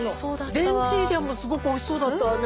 レンチーリャもすごくおいしそうだったわね。